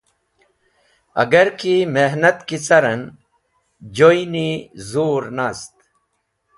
Agar ki mehnat ki carẽn joyni zũr nast.